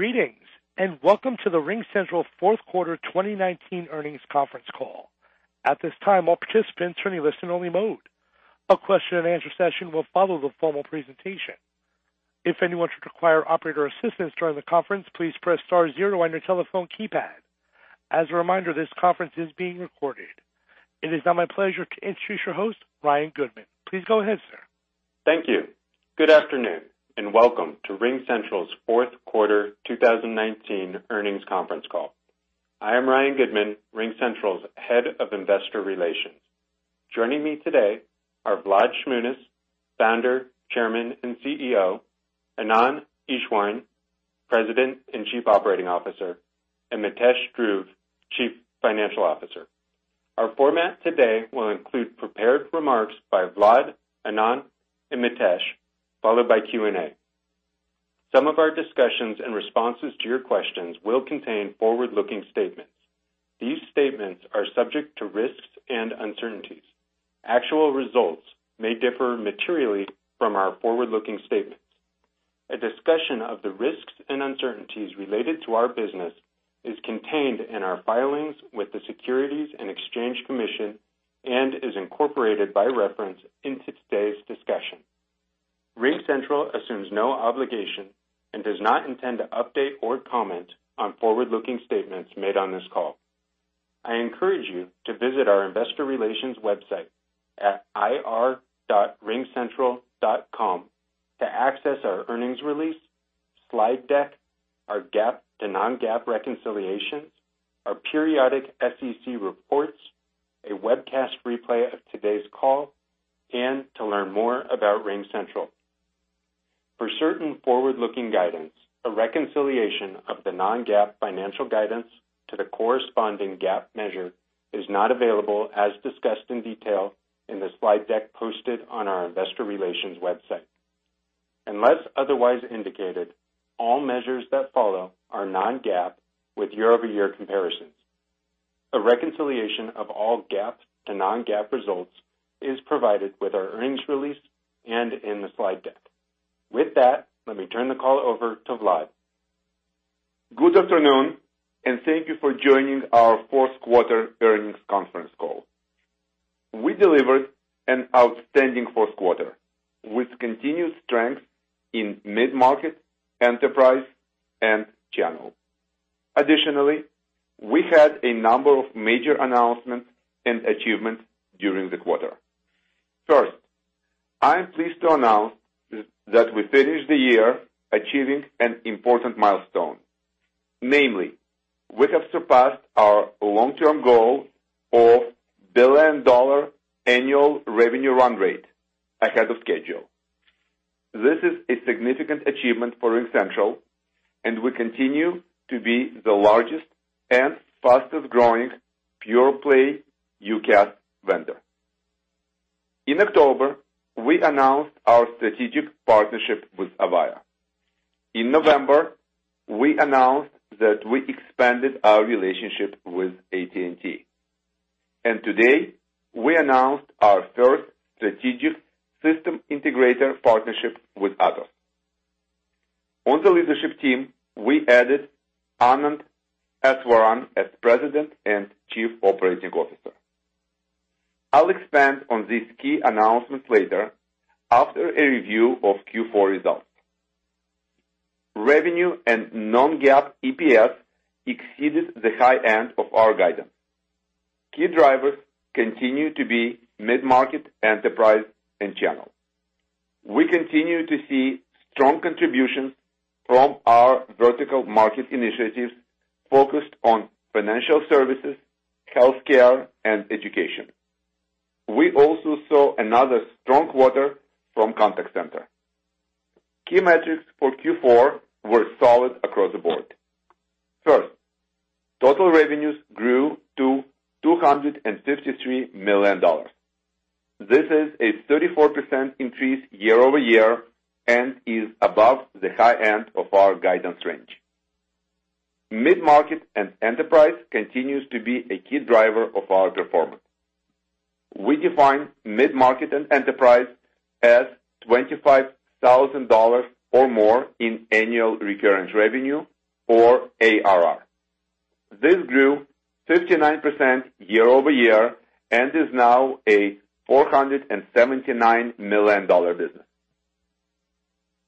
Greetings, welcome to the RingCentral fourth quarter 2019 earnings conference call. At this time, all participants are in listen-only mode. A question-and-answer session will follow the formal presentation. If anyone should require operator assistance during the conference, please press star zero on your telephone keypad. As a reminder, this conference is being recorded. It is now my pleasure to introduce your host, Ryan Goodman. Please go ahead, sir. Thank you. Good afternoon, and welcome to RingCentral's fourth quarter 2019 earnings conference call. I am Ryan Goodman, RingCentral's Head of Investor Relations. Joining me today are Vlad Shmunis, Founder, Chairman, and CEO; Anand Eswaran, President and Chief Operating Officer; and Mitesh Dhruv, Chief Financial Officer. Our format today will include prepared remarks by Vlad, Anand, and Mitesh, followed by Q&A. Some of our discussions and responses to your questions will contain forward-looking statements. These statements are subject to risks and uncertainties. Actual results may differ materially from our forward-looking statements. A discussion of the risks and uncertainties related to our business is contained in our filings with the Securities and Exchange Commission and is incorporated by reference into today's discussion. RingCentral assumes no obligation and does not intend to update or comment on forward-looking statements made on this call. I encourage you to visit our Investor Relations website at ir.ringcentral.com to access our earnings release, slide deck, our GAAP to non-GAAP reconciliations, our periodic SEC reports, a webcast replay of today's call, and to learn more about RingCentral. For certain forward-looking guidance, a reconciliation of the non-GAAP financial guidance to the corresponding GAAP measure is not available as discussed in detail in the slide deck posted on our Investor Relations website. Unless otherwise indicated, all measures that follow are non-GAAP with year-over-year comparisons. A reconciliation of all GAAP to non-GAAP results is provided with our earnings release and in the slide deck. With that, let me turn the call over to Vlad. Good afternoon. Thank you for joining our fourth quarter earnings conference call. We delivered an outstanding fourth quarter with continued strength in mid-market, enterprise, and channel. Additionally, we had a number of major announcements and achievements during the quarter. First, I am pleased to announce that we finished the year achieving an important milestone. Namely, we have surpassed our long-term goal of billion-dollar annual revenue run rate ahead of schedule. This is a significant achievement for RingCentral, and we continue to be the largest and fastest-growing pure-play UCaaS vendor. In October, we announced our strategic partnership with Avaya. In November, we announced that we expanded our relationship with AT&T. Today, we announced our third strategic system integrator partnership with Atos. On the leadership team, we added Anand Eswaran as President and Chief Operating Officer. I'll expand on these key announcements later after a review of Q4 results. Revenue and non-GAAP EPS exceeded the high end of our guidance. Key drivers continue to be mid-market, enterprise, and channel. We continue to see strong contributions from our vertical market initiatives focused on financial services, healthcare, and education. We also saw another strong quarter from contact center. Key metrics for Q4 were solid across the board. Total revenues grew to $253 million. This is a 34% increase year-over-year and is above the high end of our guidance range. Mid-market and enterprise continues to be a key driver of our performance. We define mid-market and enterprise as $25,000 or more in annual recurring revenue or ARR. This grew 59% year-over-year and is now a $479 million business.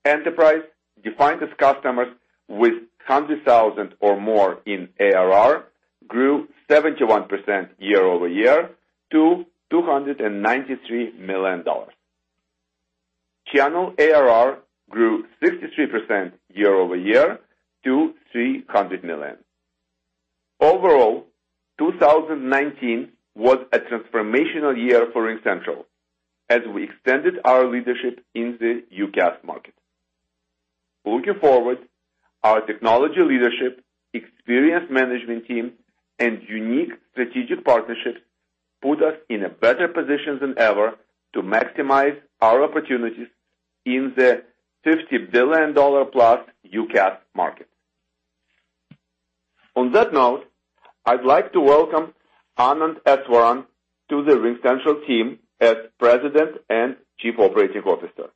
Enterprise, defined as customers with 100,000 or more in ARR, grew 71% year-over-year to $293 million. Channel ARR grew 63% year-over-year to $300 million. Overall, 2019 was a transformational year for RingCentral as we extended our leadership in the UCaaS market. Looking forward, our technology leadership, experienced management team, and unique strategic partnerships put us in a better position than ever to maximize our opportunities in the $50+ billion UCaaS market. On that note, I'd like to welcome Anand Eswaran to the RingCentral team as President and Chief Operating Officer.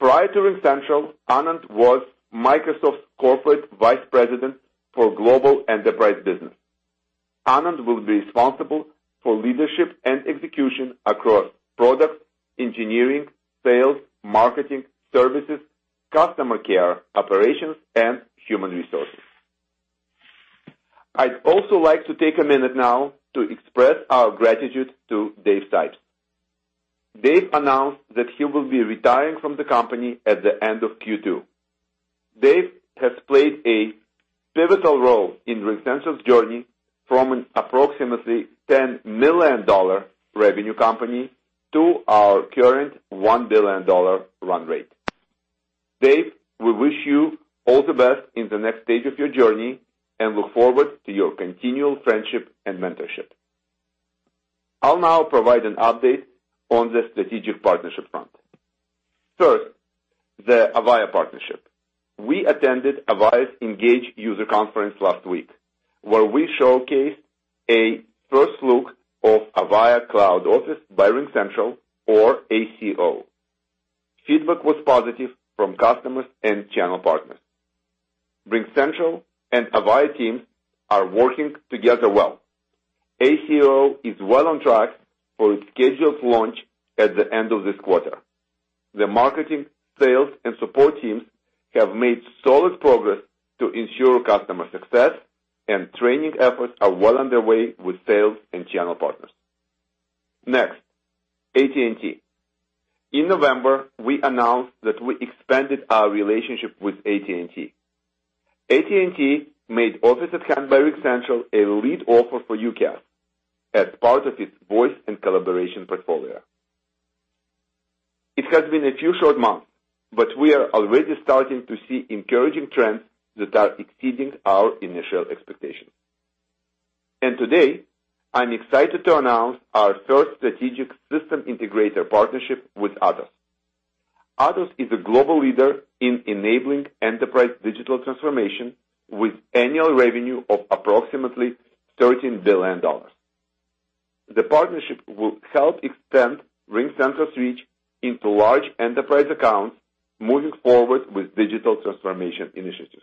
Prior to RingCentral, Anand was Microsoft's Corporate Vice President for Global Enterprise business. Anand will be responsible for leadership and execution across products, engineering, sales, marketing, services, customer care, operations, and human resources. I'd also like to take a minute now to express our gratitude to Dave Sipes. Dave announced that he will be retiring from the company at the end of Q2. Dave has played a pivotal role in RingCentral's journey from an approximately $10 million revenue company to our current $1 billion run rate. Dave, we wish you all the best in the next stage of your journey, and look forward to your continual friendship and mentorship. I'll now provide an update on the strategic partnership front. First, the Avaya partnership. We attended Avaya ENGAGE user conference last week, where we showcased a first look of Avaya Cloud Office by RingCentral, or ACO. Feedback was positive from customers and channel partners. RingCentral and Avaya teams are working together well. ACO is well on track for its scheduled launch at the end of this quarter. The marketing, sales, and support teams have made solid progress to ensure customer success, and training efforts are well underway with sales and channel partners. Next, AT&T. In November, we announced that we expanded our relationship with AT&T. AT&T made Office@Hand by RingCentral a lead offer for UCaaS as part of its voice and collaboration portfolio. It has been a few short months, we are already starting to see encouraging trends that are exceeding our initial expectations. Today, I'm excited to announce our first strategic system integrator partnership with Atos. Atos is a global leader in enabling enterprise digital transformation, with annual revenue of approximately $13 billion. The partnership will help extend RingCentral's reach into large enterprise accounts moving forward with digital transformation initiatives.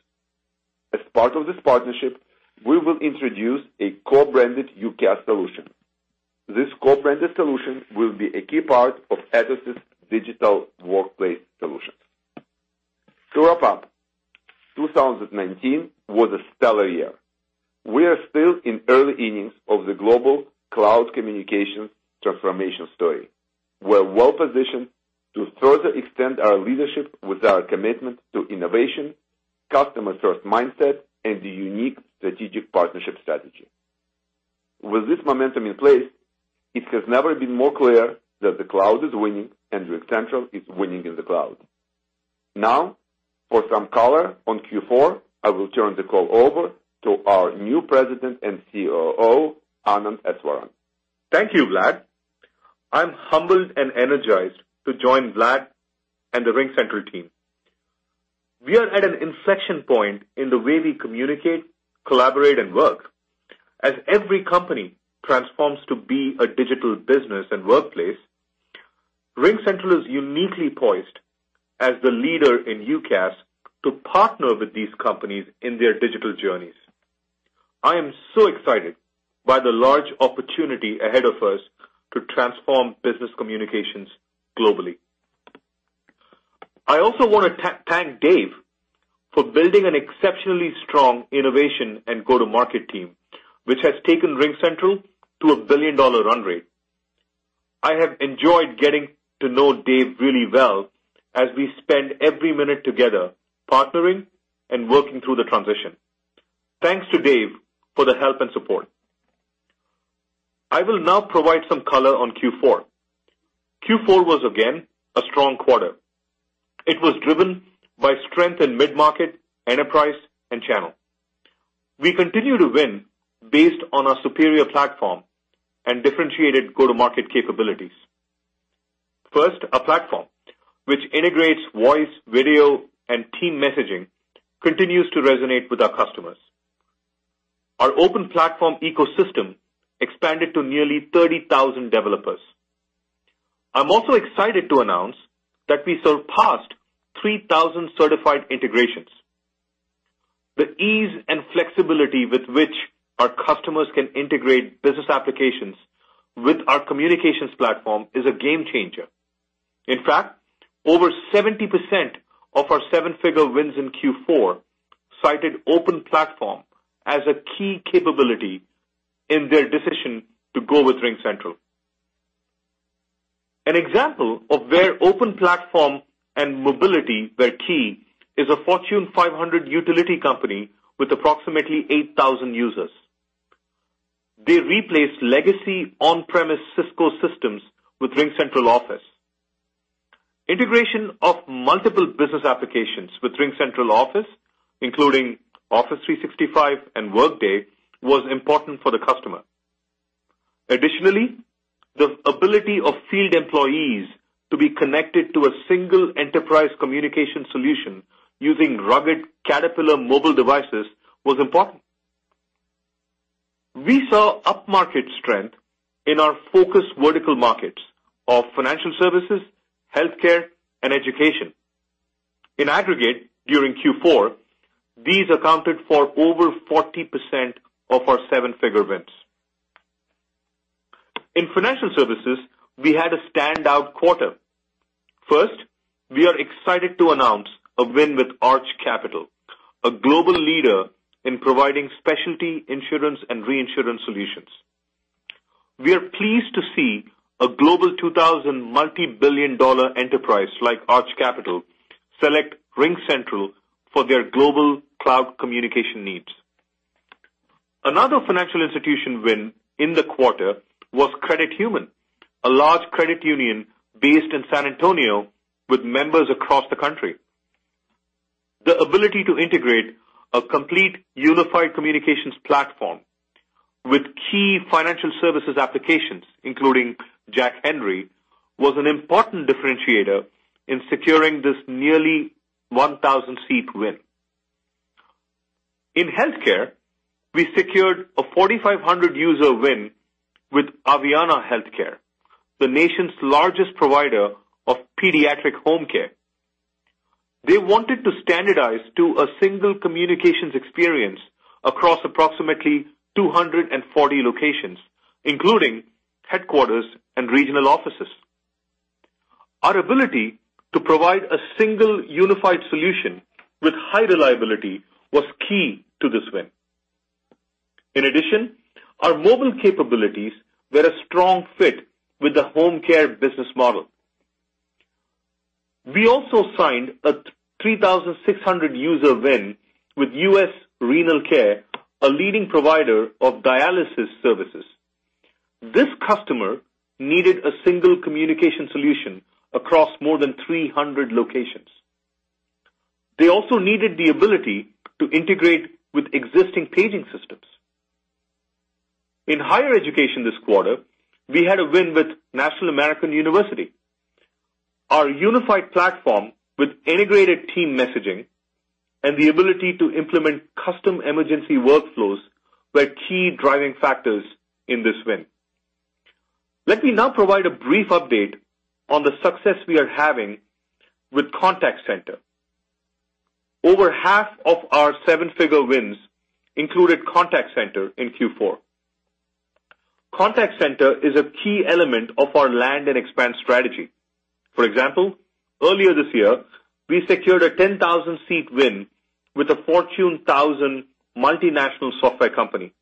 As part of this partnership, we will introduce a co-branded UCaaS solution. This co-branded solution will be a key part of Atos' digital workplace solutions. To wrap up, 2019 was a stellar year. We are still in early innings of the global cloud communications transformation story. We're well-positioned to further extend our leadership with our commitment to innovation, customer-first mindset, and a unique strategic partnership strategy. With this momentum in place, it has never been more clear that the cloud is winning, and RingCentral is winning in the cloud. Now, for some color on Q4, I will turn the call over to our new President and COO, Anand Eswaran. Thank you, Vlad. I'm humbled and energized to join Vlad and the RingCentral team. We are at an inflection point in the way we communicate, collaborate, and work. Every company transforms to be a digital business and workplace, RingCentral is uniquely poised as the leader in UCaaS to partner with these companies in their digital journeys. I am so excited by the large opportunity ahead of us to transform business communications globally. I also want to thank Dave for building an exceptionally strong innovation and go-to-market team, which has taken RingCentral to a $1 billion run rate. I have enjoyed getting to know Dave really well as we spend every minute together partnering and working through the transition. Thanks to Dave for the help and support. I will now provide some color on Q4. Q4 was again a strong quarter. It was driven by strength in mid-market, enterprise, and channel. We continue to win based on our superior platform and differentiated go-to-market capabilities. First, our platform, which integrates voice, video, and team messaging, continues to resonate with our customers. Our open platform ecosystem expanded to nearly 30,000 developers. I'm also excited to announce that we surpassed 3,000 certified integrations. The ease and flexibility with which our customers can integrate business applications with our communications platform is a game changer. In fact, over 70% of our seven-figure wins in Q4 cited open platform as a key capability in their decision to go with RingCentral. An example of where open platform and mobility were key is a Fortune 500 utility company with approximately 8,000 users. They replaced legacy on-premise Cisco systems with RingCentral Office. Integration of multiple business applications with RingCentral Office, including Office 365 and Workday, was important for the customer. Additionally, the ability of field employees to be connected to a single enterprise communication solution using rugged Caterpillar mobile devices was important. We saw upmarket strength in our focus vertical markets of financial services, healthcare, and education. In aggregate, during Q4, these accounted for over 40% of our seven-figure wins. In financial services, we had a standout quarter. First, we are excited to announce a win with Arch Capital, a global leader in providing specialty insurance and reinsurance solutions. We are pleased to see a Global 2000 multi-billion-dollar enterprise like Arch Capital select RingCentral for their global cloud communication needs. Another financial institution win in the quarter was Credit Human, a large credit union based in San Antonio with members across the country. The ability to integrate a complete unified communications platform with key financial services applications, including Jack Henry, was an important differentiator in securing this nearly 1,000-seat win. In healthcare, we secured a 4,500-user win with Aveanna Healthcare, the nation's largest provider of pediatric home care. They wanted to standardize to a single communications experience across approximately 240 locations, including headquarters and regional offices. Our ability to provide a single unified solution with high reliability was key to this win. In addition, our mobile capabilities were a strong fit with the home care business model. We also signed a 3,600-user win with U.S. Renal Care, a leading provider of dialysis services. This customer needed a single communication solution across more than 300 locations. They also needed the ability to integrate with existing paging systems. In higher education this quarter, we had a win with National American University. Our unified platform with integrated team messaging and the ability to implement custom emergency workflows were key driving factors in this win. Let me now provide a brief update on the success we are having with Contact Center. Over half of our seven-figure wins included Contact Center in Q4. Contact Center is a key element of our land and expand strategy. For example, earlier this year, we secured a 10,000-seat win with a Fortune 1000 multinational software company.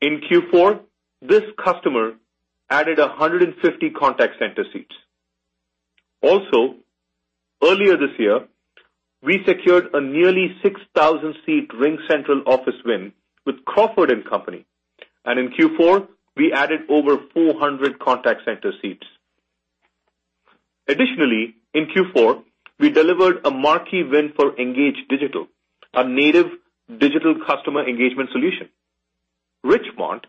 In Q4, this customer added 150 Contact Center seats. Also, earlier this year, we secured a nearly 6,000-seat RingCentral Office win with Crawford & Company, and in Q4, we added over 400 contact center seats. Additionally, in Q4, we delivered a marquee win for Engage Digital, a native digital customer engagement solution. Richemont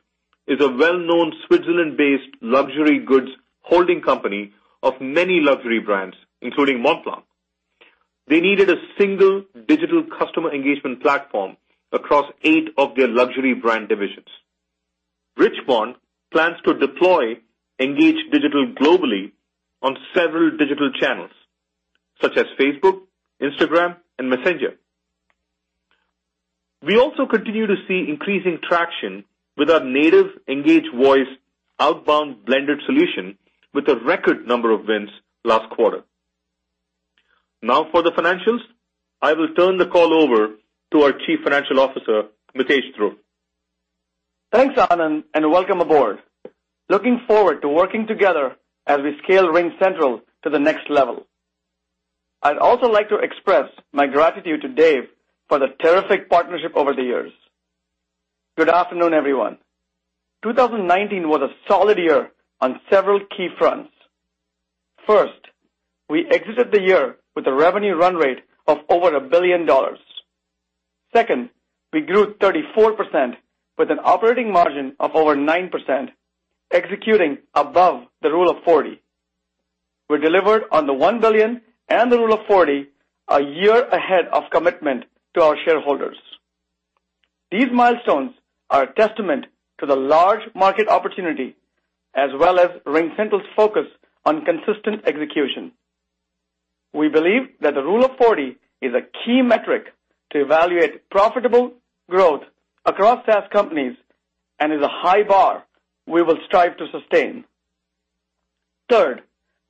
is a well-known Switzerland-based luxury goods holding company of many luxury brands, including Montblanc. They needed a single digital customer engagement platform across eight of their luxury brand divisions. Richemont plans to deploy Engage Digital globally on several digital channels, such as Facebook, Instagram, and Messenger. We also continue to see increasing traction with our native Engage Voice outbound blended solution with a record number of wins last quarter. Now for the financials, I will turn the call over to our Chief Financial Officer, Mitesh Dhruv. Thanks, Anand, and welcome aboard. Looking forward to working together as we scale RingCentral to the next level. I'd also like to express my gratitude to Dave for the terrific partnership over the years. Good afternoon, everyone. 2019 was a solid year on several key fronts. First, we exited the year with a revenue run rate of over $1 billion. Second, we grew 34% with an operating margin of over 9%, executing above the Rule of 40. We delivered on the $1 billion and the Rule of 40 a year ahead of commitment to our shareholders. These milestones are a testament to the large market opportunity, as well as RingCentral's focus on consistent execution. We believe that the Rule of 40 is a key metric to evaluate profitable growth across SaaS companies and is a high bar we will strive to sustain. Third,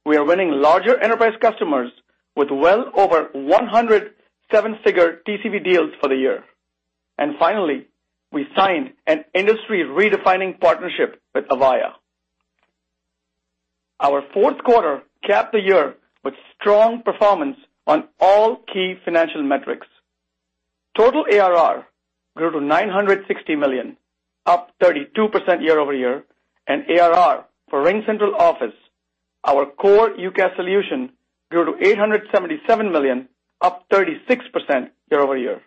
we are winning larger enterprise customers with well over 100 seven-figure TCV deals for the year. Finally, we signed an industry-redefining partnership with Avaya. Our fourth quarter capped the year with strong performance on all key financial metrics. Total ARR grew to $960 million, up 32% year-over-year. ARR for RingCentral Office, our core UCaaS solution, grew to $877 million, up 36% year-over-year.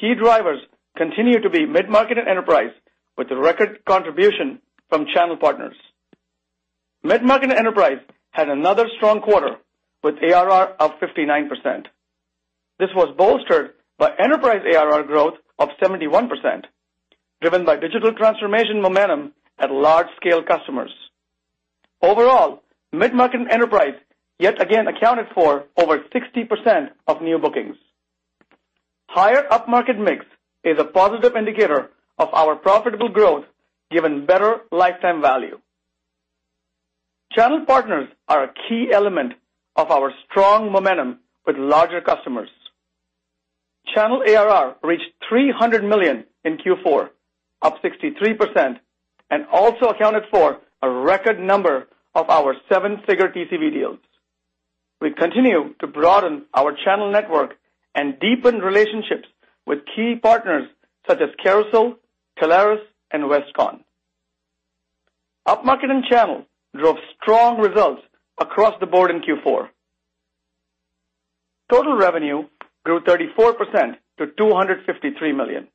Key drivers continue to be mid-market and enterprise, with record contribution from channel partners. Mid-market and enterprise had another strong quarter, with ARR of 59%. This was bolstered by enterprise ARR growth of 71%, driven by digital transformation momentum at large-scale customers. Overall, mid-market and enterprise, yet again accounted for over 60% of new bookings. Higher up-market mix is a positive indicator of our profitable growth given better lifetime value. Channel partners are a key element of our strong momentum with larger customers. Channel ARR reached $300 million in Q4, up 63%, and also accounted for a record number of our seven-figure TCV deals. We continue to broaden our channel network and deepen relationships with key partners such as Carousel, Telarus, and Westcon. Upmarket and channel drove strong results across the board in Q4. Total revenue grew 34% to $253 million.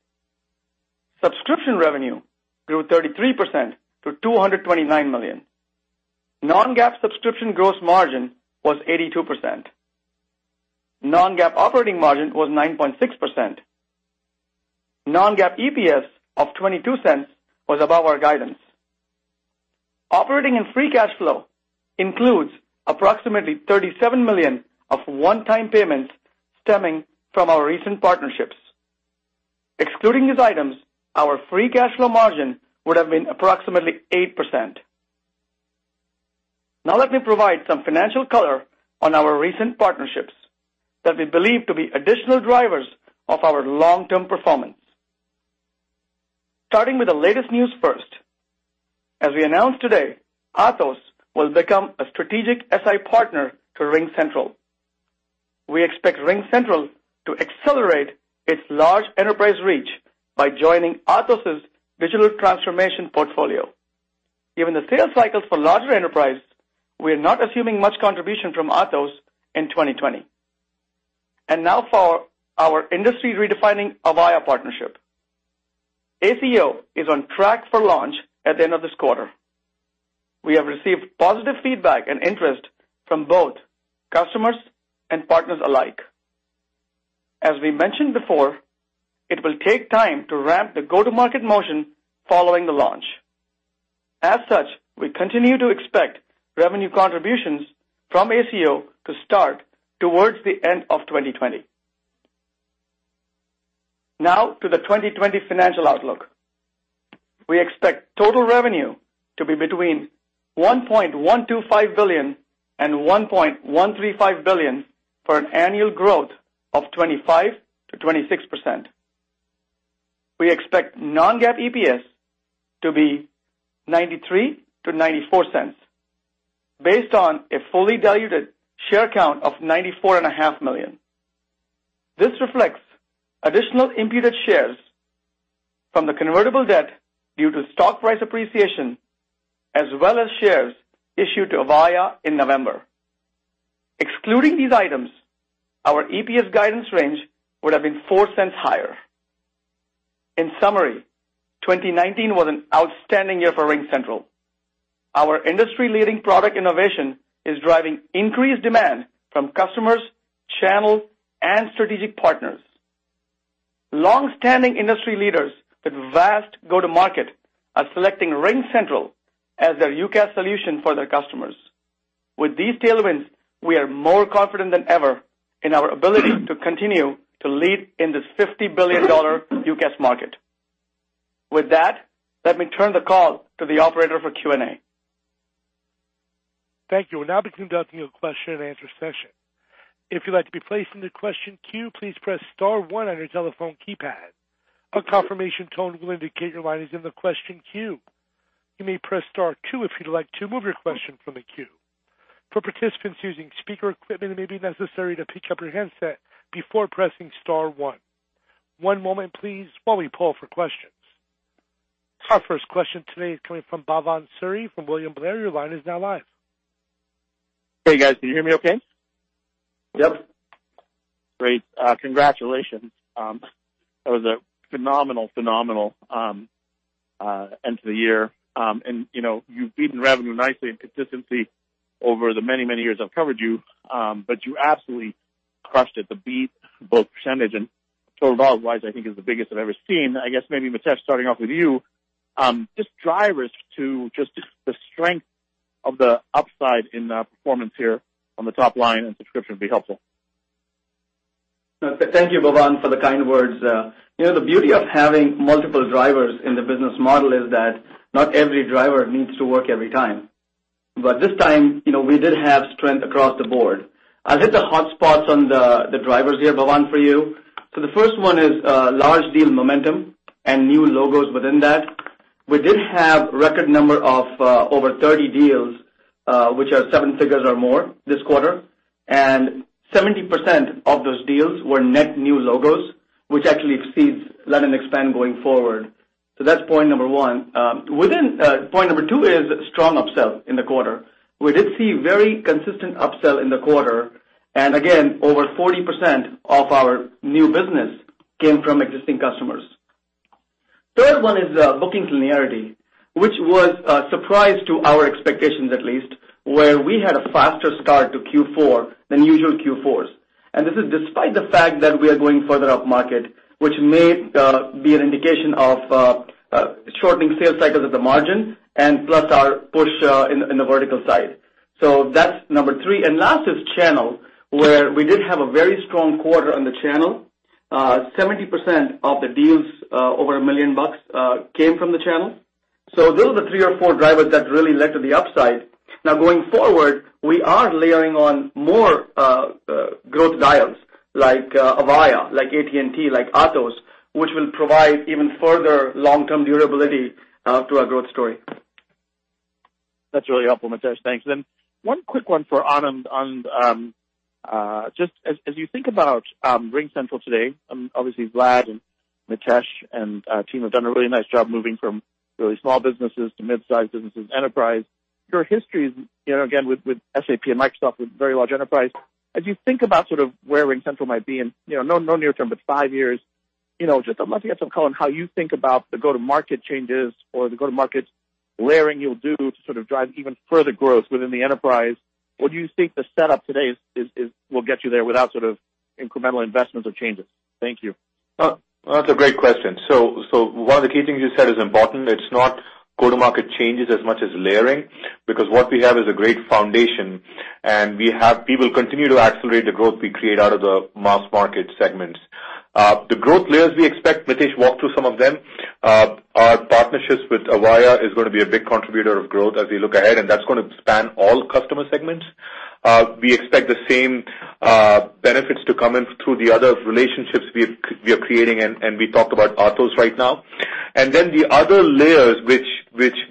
Subscription revenue grew 33% to $229 million. Non-GAAP subscription gross margin was 82%. Non-GAAP operating margin was 9.6%. Non-GAAP EPS of $0.22 was above our guidance. Operating and free cash flow includes approximately $37 million of one-time payments stemming from our recent partnerships. Excluding these items, our free cash flow margin would have been approximately 8%. Let me provide some financial color on our recent partnerships that we believe to be additional drivers of our long-term performance. Starting with the latest news first. As we announced today, Atos will become a strategic SI partner to RingCentral. We expect RingCentral to accelerate its large enterprise reach by joining Atos's digital transformation portfolio. Given the sales cycles for larger enterprise, we are not assuming much contribution from Atos in 2020. Now for our industry redefining Avaya partnership. ACO is on track for launch at the end of this quarter. We have received positive feedback and interest from both customers and partners alike. As we mentioned before, it will take time to ramp the go-to-market motion following the launch. As such, we continue to expect revenue contributions from ACO to start towards the end of 2020. Now to the 2020 financial outlook. We expect total revenue to be between $1.125 billion and $1.135 billion for an annual growth of 25%-26%. We expect non-GAAP EPS to be $0.93-$0.94 based on a fully diluted share count of 94.5 million. This reflects additional imputed shares from the convertible debt due to stock price appreciation, as well as shares issued to Avaya in November. Excluding these items, our EPS guidance range would have been $0.04 higher. In summary, 2019 was an outstanding year for RingCentral. Our industry-leading product innovation is driving increased demand from customers, channel, and strategic partners. Long-standing industry leaders with vast go-to-market are selecting RingCentral as their UCaaS solution for their customers. With these tailwinds, we are more confident than ever in our ability to continue to lead in this $50 billion UCaaS market. With that, let me turn the call to the operator for Q&A. Thank you. We'll now be conducting a question and answer session. If you'd like to be placed into question queue, please press star one on your telephone keypad. A confirmation tone will indicate your line is in the question queue. You may press star two if you'd like to move your question from the queue. For participants using speaker equipment, it may be necessary to pick up your handset before pressing star one. One moment please while we poll for questions. Our first question today is coming from Bhavan Suri from William Blair. Your line is now live. Hey, guys. Can you hear me okay? Yep. Great. Congratulations. That was a phenomenal, phenomenal end to the year. You've beaten revenue nicely and consistency over the many, many years I've covered you, but you absolutely crushed it, the beat, both percentage and total dollar-wise, I think is the biggest I've ever seen. I guess maybe Mitesh, starting off with you, just drivers to just the strength of the upside in performance here on the top line and subscription would be helpful. Thank you, Bhavan, for the kind words. The beauty of having multiple drivers in the business model is that not every driver needs to work every time. This time, we did have strength across the board. I'll hit the hotspots on the drivers here, Bhavan, for you. The first one is large deal momentum and new logos within that. We did have record number of over 30 deals, which are seven figures or more this quarter. 70% of those deals were net new logos, which actually exceeds lend and expand going forward. That's point number one. Point number two is strong upsell in the quarter. We did see very consistent upsell in the quarter, and again, over 40% of our new business came from existing customers. Third one is booking linearity, which was a surprise to our expectations at least, where we had a faster start to Q4 than usual Q4s. This is despite the fact that we are going further up market, which may be an indication of shortening sales cycles at the margin and plus our push in the vertical side. That's number three. Last is channel, where we did have a very strong quarter on the channel. 70% of the deals over $1 million came from the channel. Those are the three or four drivers that really led to the upside. Going forward, we are layering on more growth dials like Avaya, like AT&T, like Atos, which will provide even further long-term durability to our growth story. That's really helpful, Mitesh. Thanks. One quick one for Anand on, just as you think about RingCentral today, obviously Vlad and Mitesh and team have done a really nice job moving from really small businesses to mid-size businesses, enterprise. Your history again, with SAP and Microsoft, with very large enterprise, as you think about sort of where RingCentral might be in, no near term, but five years, just I'd love to get some color on how you think about the go-to-market changes or the go-to-market layering you'll do to sort of drive even further growth within the enterprise. Do you think the setup today will get you there without sort of incremental investments or changes? Thank you. Well, that's a great question. One of the key things you said is important. It's not go-to-market changes as much as layering, because what we have is a great foundation, and we will continue to accelerate the growth we create out of the mass market segments. The growth layers we expect, Mitesh walked through some of them. Our partnerships with Avaya is going to be a big contributor of growth as we look ahead, and that's going to span all customer segments. We expect the same benefits to come in through the other relationships we are creating, and we talked about Atos right now. The other layers which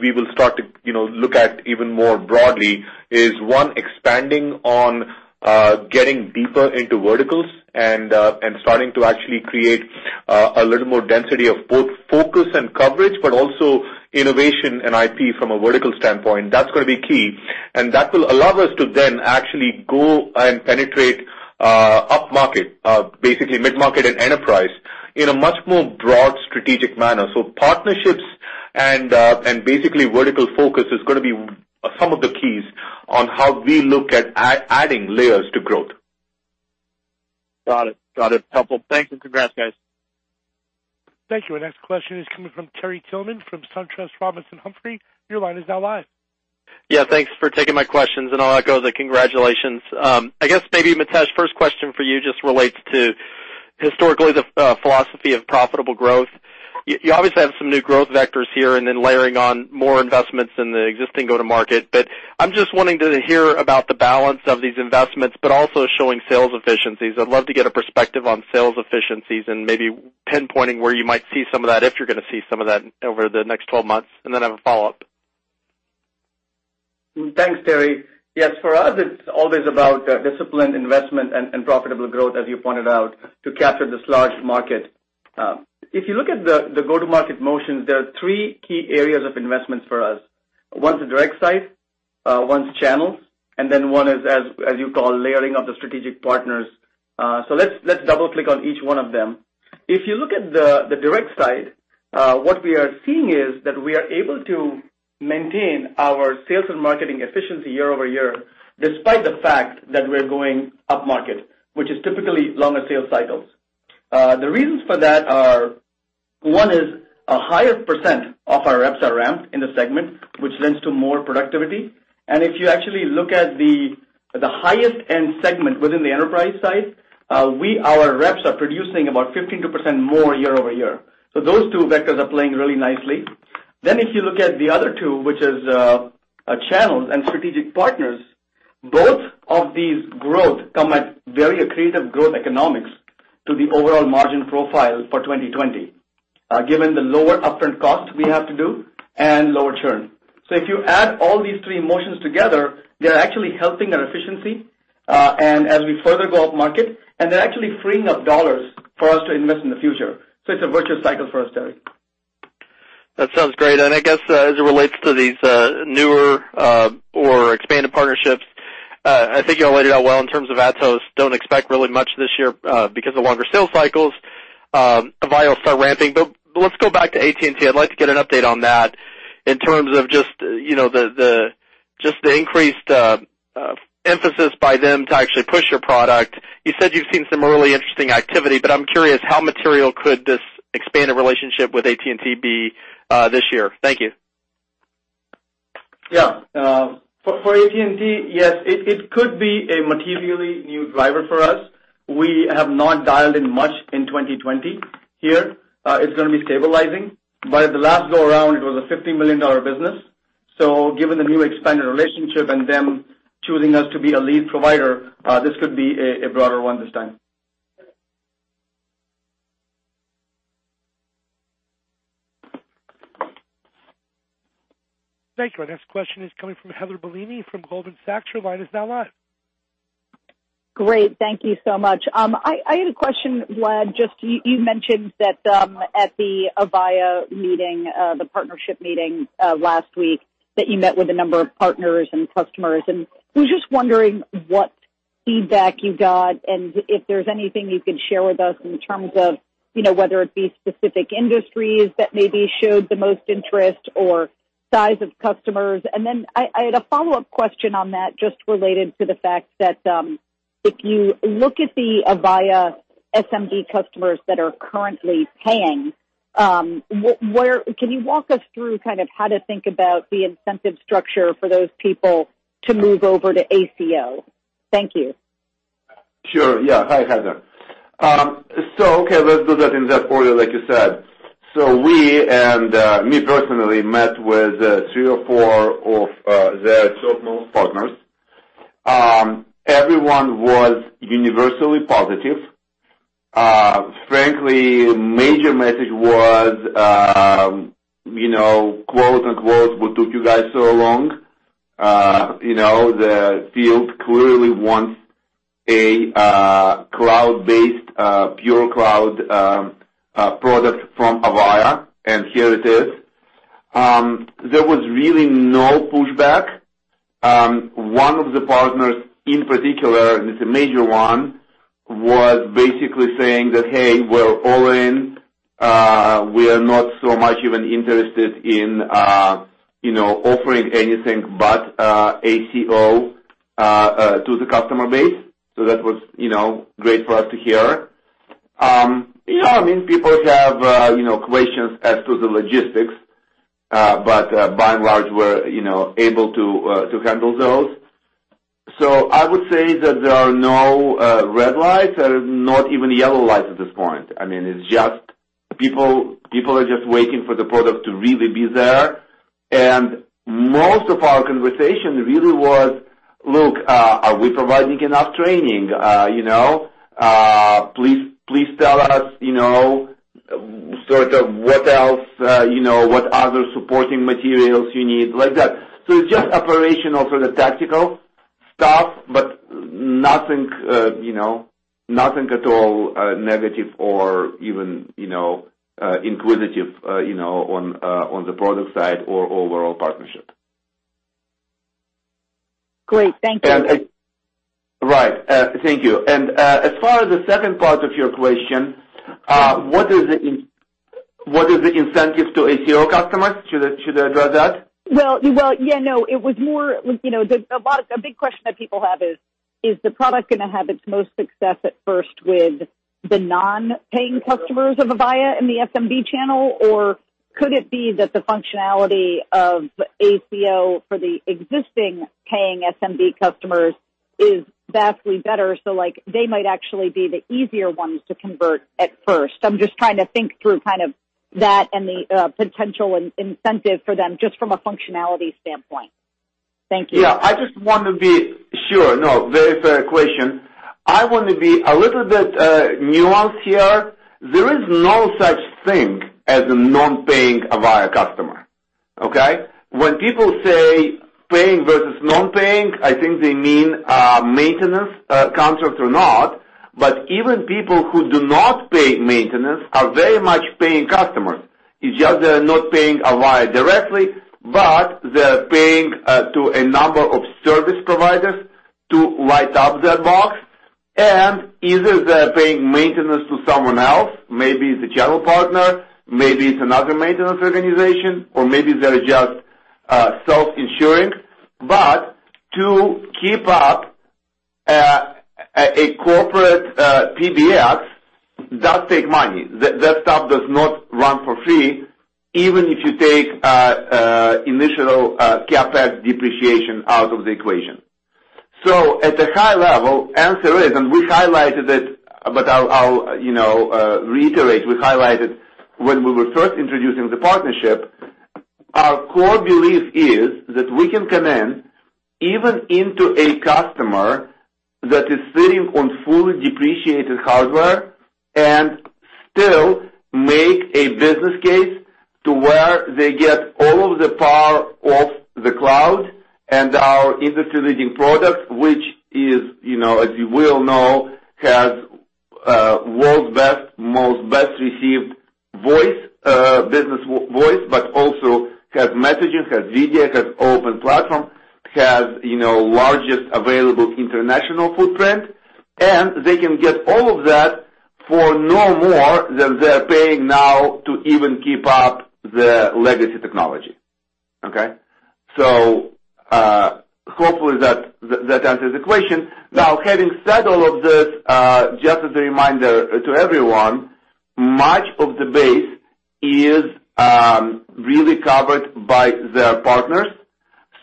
we will start to look at even more broadly is, one, expanding on getting deeper into verticals and starting to actually create a little more density of both focus and coverage, but also innovation and IP from a vertical standpoint. That's going to be key, and that will allow us to then actually go and penetrate upmarket, basically mid-market and enterprise, in a much more broad strategic manner. Partnerships and basically vertical focus is going to be some of the keys on how we look at adding layers to growth. Got it. Helpful. Thanks. Congrats, guys. Thank you. Our next question is coming from Terry Tillman from SunTrust Robinson Humphrey. Your line is now live. Yeah, thanks for taking my questions. I'll echo the congratulations. I guess maybe Mitesh, first question for you just relates to historically the philosophy of profitable growth. You obviously have some new growth vectors here and then layering on more investments in the existing go-to-market. I'm just wanting to hear about the balance of these investments but also showing sales efficiencies. I'd love to get a perspective on sales efficiencies and maybe pinpointing where you might see some of that, if you're going to see some of that over the next 12 months, and then I have a follow-up. Thanks, Terry. Yes, for us, it's always about disciplined investment and profitable growth, as you pointed out, to capture this large market. If you look at the go-to-market motions, there are three key areas of investments for us. One's the direct side, one's channels, then one is, as you call, layering of the strategic partners. Let's double-click on each one of them. If you look at the direct side, what we are seeing is that we are able to maintain our sales and marketing efficiency year-over-year despite the fact that we're going upmarket, which is typically longer sales cycles. The reasons for that are, one is a higher percent of our reps are ramped in the segment, which lends to more productivity. If you actually look at the highest-end segment within the enterprise side, our reps are producing about 15% more year-over-year. Those two vectors are playing really nicely. If you look at the other two, which is channels and strategic partners, both of these growth come at very accretive growth economics to the overall margin profile for 2020, given the lower upfront costs we have to do and lower churn. If you add all these three motions together, they're actually helping our efficiency. As we further go upmarket, and they're actually freeing up dollars for us to invest in the future. It's a virtuous cycle for us, Terry. That sounds great. I guess as it relates to these newer or expanded partnerships, I think you all laid it out well in terms of Atos. Don't expect really much this year because of longer sales cycles. Avaya will start ramping. Let's go back to AT&T. I'd like to get an update on that in terms of just the increased emphasis by them to actually push your product. You said you've seen some early interesting activity, but I'm curious how material could this expanded relationship with AT&T be this year? Thank you. For AT&T, yes, it could be a materially new driver for us. We have not dialed in much in 2020 here. It's going to be stabilizing. At the last go around, it was a $50 million business. Given the new expanded relationship and them choosing us to be a lead provider, this could be a broader one this time. Thank you. Our next question is coming from Heather Bellini from Goldman Sachs. Your line is now live. Great. Thank you so much. I had a question, Vlad. You mentioned that at the Avaya meeting, the partnership meeting last week, that you met with a number of partners and customers, and was just wondering what feedback you got and if there's anything you could share with us in terms of whether it be specific industries that maybe showed the most interest or size of customers. I had a follow-up question on that, just related to the fact that if you look at the Avaya SMB customers that are currently paying, can you walk us through kind of how to think about the incentive structure for those people to move over to ACO? Thank you. Sure. Yeah. Hi, Heather. Okay, let's do that in that order, like you said. We, and me personally, met with three or four of their top-notch partners. Everyone was universally positive. Frankly, major message was, you know, quote unquote, "What took you guys so long?" The field clearly wants a cloud-based, pure cloud product from Avaya, and here it is. There was really no pushback. One of the partners in particular, and it's a major one, was basically saying that, "Hey, we're all in. We're not so much even interested in offering anything but ACO to the customer base." That was great for us to hear. People have questions as to the logistics, by and large, we're able to handle those. I would say that there are no red lights and not even yellow lights at this point. People are just waiting for the product to really be there. Most of our conversation really was, "Look, are we providing enough training? Please tell us what other supporting materials you need," like that. It's just operational, sort of tactical stuff, but nothing at all negative or even inquisitive on the product side or overall partnership. Great. Thank you. Right. Thank you. As far as the second part of your question, what is the incentive to ACO customers? Should I address that? Well, yeah, no. A big question that people have is the product going to have its most success at first with the non-paying customers of Avaya in the SMB channel, or could it be that the functionality of ACO for the existing paying SMB customers is vastly better, so they might actually be the easier ones to convert at first? I'm just trying to think through that and the potential incentive for them just from a functionality standpoint. Thank you. Yeah. Sure. Very fair question. I want to be a little bit nuanced here. There is no such thing as a non-paying Avaya customer. Okay. When people say paying versus non-paying, I think they mean maintenance contract or not. Even people who do not pay maintenance are very much paying customers. It's just they're not paying Avaya directly, but they're paying to a number of service providers to light up their box. Either they're paying maintenance to someone else, maybe it's a channel partner, maybe it's another maintenance organization, or maybe they're just self-insuring. To keep up a corporate PBX does take money. That stuff does not run for free, even if you take initial CapEx depreciation out of the equation. At a high level, answer is, and we highlighted it, but I'll reiterate, we highlighted when we were first introducing the partnership, our core belief is that we can come in even into a customer that is sitting on fully depreciated hardware and still make a business case to where they get all of the power of the cloud and our industry-leading product. Which is, as you well know, has world's best, most best received business voice, but also has messaging, has video, has open platform, has largest available international footprint. They can get all of that for no more than they're paying now to even keep up the legacy technology. Okay. Hopefully that answers the question. Having said all of this, just as a reminder to everyone, much of the base is really covered by their partners.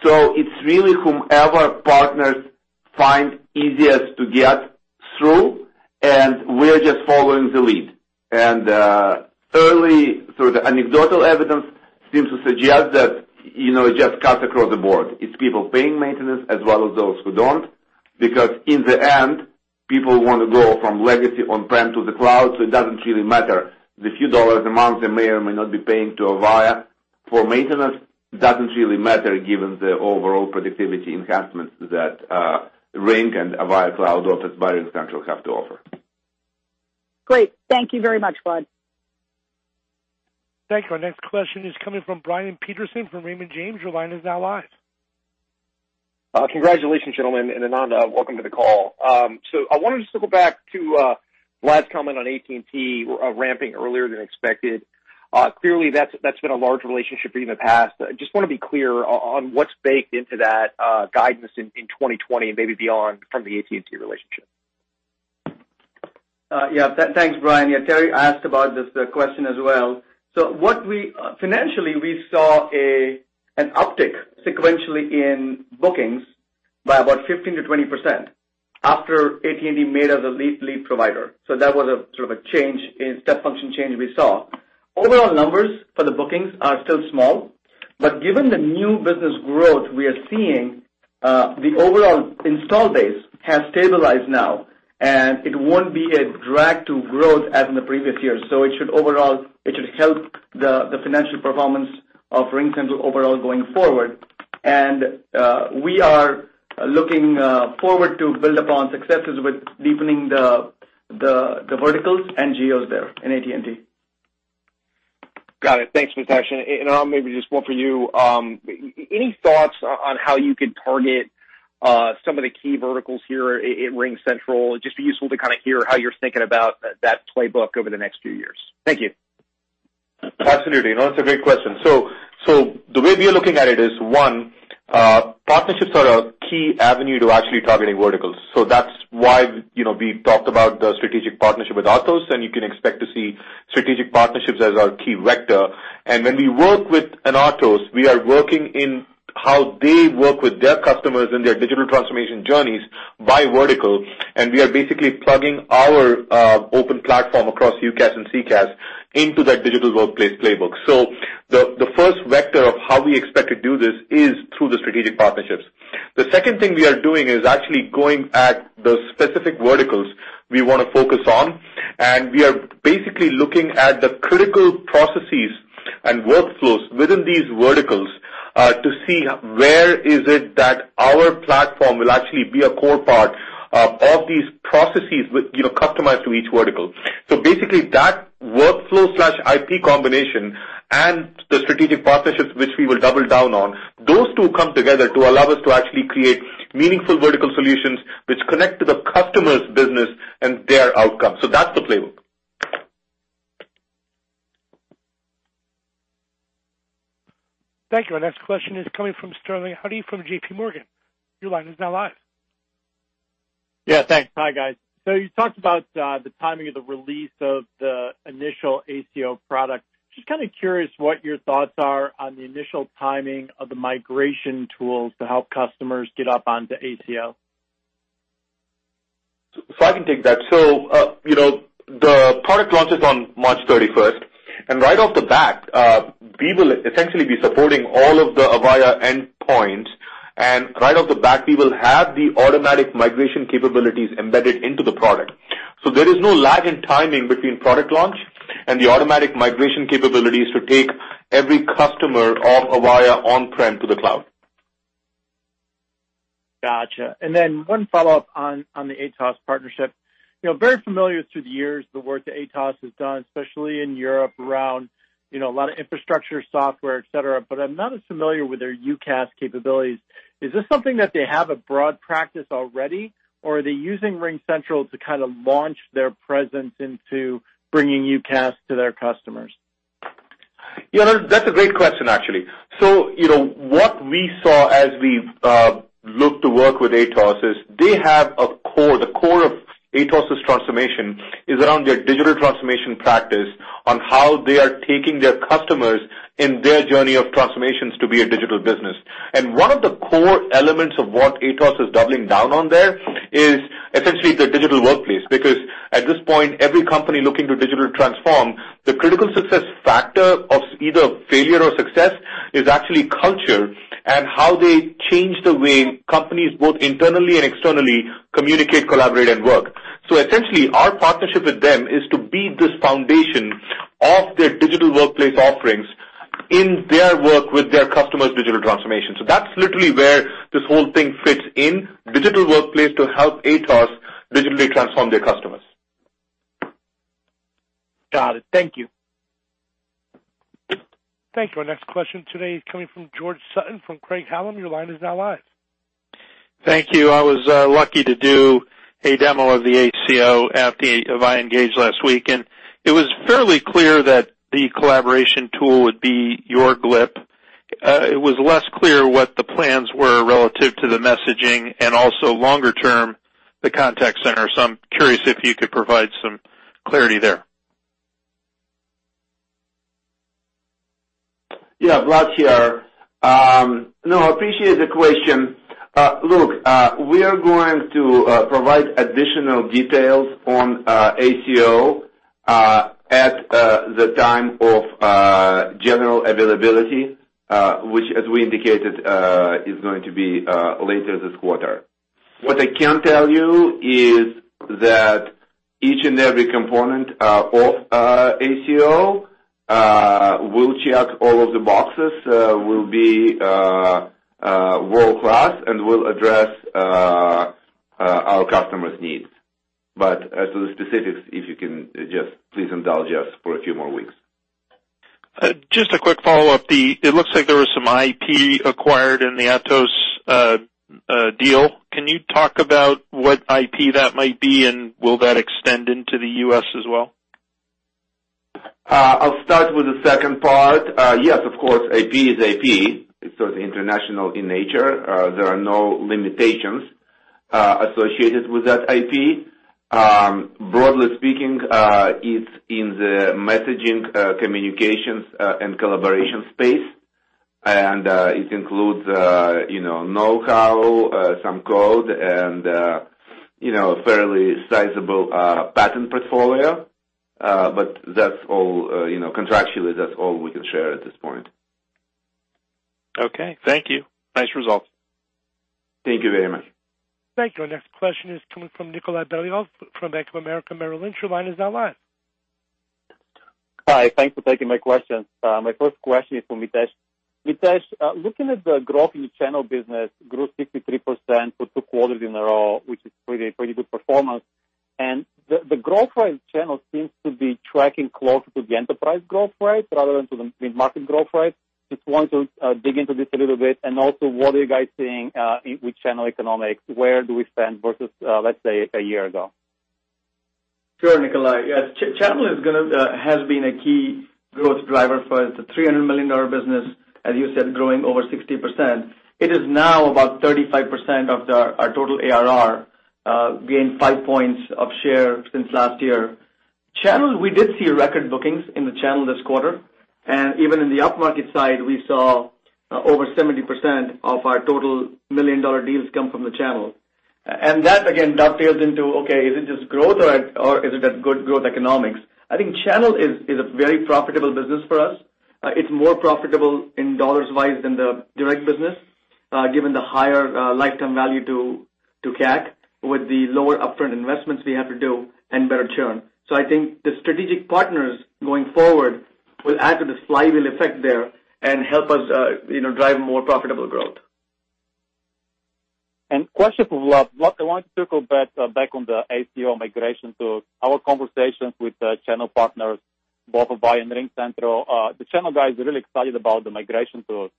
It's really whomever partners find easiest to get through, and we're just following the lead. Early, sort of the anecdotal evidence seems to suggest that it just cuts across the board. It's people paying maintenance as well as those who don't. In the end, people want to go from legacy on-prem to the cloud, so it doesn't really matter. The few dollars a month they may or may not be paying to Avaya for maintenance doesn't really matter given the overall productivity enhancements that Ring and Avaya Cloud-hosted by RingCentral have to offer. Great. Thank you very much, Vlad. Thank you. Our next question is coming from Brian Peterson from Raymond James. Your line is now live. Congratulations, gentlemen, and Anand, welcome to the call. I wanted to circle back to Vlad's comment on AT&T ramping earlier than expected. Clearly, that's been a large relationship for you in the past. I just want to be clear on what's baked into that guidance in 2020 and maybe beyond from the AT&T relationship. Yeah. Thanks, Brian. Yeah, Terry asked about this question as well. Financially, we saw an uptick sequentially in bookings by about 15%-20% after AT&T made us a lead provider. That was sort of a step function change we saw. Overall numbers for the bookings are still small, but given the new business growth we are seeing, the overall install base has stabilized now, and it won't be a drag to growth as in the previous years. It should help the financial performance of RingCentral overall going forward. We are looking forward to build upon successes with deepening the verticals and geos there in AT&T. Got it. Thanks, Mitesh. Anand, maybe just one for you. Any thoughts on how you could target some of the key verticals here in RingCentral? It'd just be useful to kind of hear how you're thinking about that playbook over the next few years. Thank you. Absolutely. No, it's a great question. The way we are looking at it is, one, partnerships are a key avenue to actually targeting verticals. That's why we talked about the strategic partnership with Atos, and you can expect to see strategic partnerships as our key vector. When we work with an Atos, we are working in how they work with their customers in their digital transformation journeys by vertical, and we are basically plugging our open platform across UCaaS and CCaaS into that digital workplace playbook. The first vector of how we expect to do this is through the strategic partnerships. The second thing we are doing is actually going at the specific verticals we want to focus on, and we are basically looking at the critical processes and workflows within these verticals, to see where is it that our platform will actually be a core part of these processes customized to each vertical. Basically that workflow/IP combination and the strategic partnerships which we will double down on, those two come together to allow us to actually create meaningful vertical solutions which connect to the customer's business and their outcome. That's the playbook. Thank you. Our next question is coming from Sterling Auty from JPMorgan. Your line is now live. Yeah. Thanks. Hi, guys. You talked about the timing of the release of the initial ACO product. Just kind of curious what your thoughts are on the initial timing of the migration tools to help customers get up onto ACO. I can take that. The product launches on March 31st. Right off the bat, we will essentially be supporting all of the Avaya endpoints, and right off the back, we will have the automatic migration capabilities embedded into the product. There is no lag in timing between product launch and the automatic migration capabilities to take every customer of Avaya on-prem to the cloud. Got you. Then one follow-up on the Atos partnership. Very familiar through the years the work that Atos has done, especially in Europe, around a lot of infrastructure, software, et cetera, but I'm not as familiar with their UCaaS capabilities. Is this something that they have a broad practice already, or are they using RingCentral to kind of launch their presence into bringing UCaaS to their customers? Yeah, that's a great question, actually. What we saw as we looked to work with Atos is they have a core. The core of Atos' transformation is around their digital transformation practice on how they are taking their customers in their journey of transformations to be a digital business. One of the core elements of what Atos is doubling down on there is essentially the digital workplace. At this point, every company looking to digital transform, the critical success factor of either failure or success is actually culture and how they change the way companies both internally and externally communicate, collaborate, and work. Essentially, our partnership with them is to be this foundation of their digital workplace offerings in their work with their customers' digital transformation. That's literally where this whole thing fits in, digital workplace to help Atos digitally transform their customers. Got it. Thank you. Thank you. Our next question today is coming from George Sutton from Craig-Hallum. Your line is now live. Thank you. I was lucky to do a demo of the ACO at the Avaya ENGAGE last week. It was fairly clear that the collaboration tool would be your Glip. It was less clear what the plans were relative to the messaging and also longer term, the contact center. I'm curious if you could provide some clarity there. Vlad here. Appreciate the question. We are going to provide additional details on ACO at the time of general availability, which as we indicated, is going to be later this quarter. What I can tell you is that each and every component of ACO will check all of the boxes, will be world-class, and will address our customers' needs. As to the specifics, if you can just please indulge us for a few more weeks. Just a quick follow-up. It looks like there was some IP acquired in the Atos deal. Can you talk about what IP that might be, and will that extend into the U.S. as well? I'll start with the second part. Yes, of course, IP is IP, it's international in nature. There are no limitations associated with that IP. Broadly speaking, it's in the messaging, communications, and collaboration space. It includes know-how, some code, and a fairly sizable patent portfolio. Contractually, that's all we can share at this point. Okay. Thank you. Nice results. Thank you very much. Thank you. Our next question is coming from Nikolay Beliov from Bank of America Merrill Lynch. Your line is now live. Hi. Thanks for taking my questions. My first question is for Mitesh. Mitesh, looking at the growth in the channel business, grew 63% for two quarters in a row, which is a pretty good performance. The growth rate channel seems to be tracking closer to the enterprise growth rate rather than to the mid-market growth rate. Just want to dig into this a little bit. Also, what are you guys seeing with channel economics? Where do we stand versus, let's say, a year ago? Sure, Nikolay. Yes. Channel has been a key growth driver for us. It's a $300 million business, as you said, growing over 60%. It is now about 35% of our total ARR, gained five points of share since last year. Channel, we did see record bookings in the channel this quarter, and even in the upmarket side, we saw over 70% of our total million-dollar deals come from the channel. That, again, dovetails into, okay, is it just growth or is it a good growth economics? I think channel is a very profitable business for us. It's more profitable in dollars-wise than the direct business given the higher lifetime value to CAC with the lower upfront investments we have to do and better churn. I think the strategic partners going forward will add to this flywheel effect there and help us drive more profitable growth. Question for Vlad. I want to circle back on the ACO migration tool. Our conversations with the channel partners, both Avaya and RingCentral, the channel guys are really excited about the migration tools.